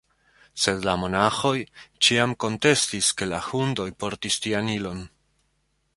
Sed la monaĥoj ĉiam kontestis, ke la hundoj portis tian ilon.